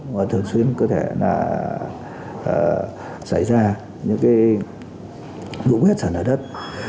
mà thường xuyên có thể là xảy ra những cái nũ quét sạt lả đất